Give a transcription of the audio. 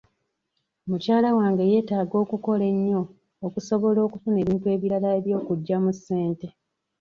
Mukyala wange yeetaaga okukola ennyo okusobola okufuna ebintu ebirala eby'okuggyamu ssente